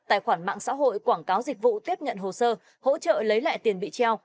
tài khoản mạng xã hội quảng cáo dịch vụ tiếp nhận hồ sơ hỗ trợ lấy lại tiền bị treo